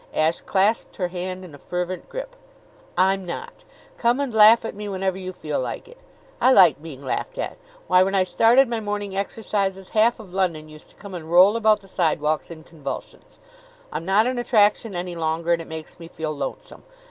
Ashe clasped her hand in a fervent grip. "I'm not. Come and laugh at me whenever you feel like it. I like being laughed at. Why, when I started my morning exercises, half of London used to come and roll about the sidewalks in convulsions. I'm not an attraction any longer and it makes me feel lonesome.